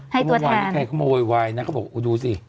ให้ตัวแทนเขามาว่ายนะเขาบอกดูสิ